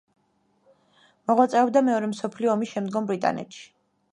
მოღვაწეობდა მეორე მსოფლიო ომის შემდგომ ბრიტანეთში.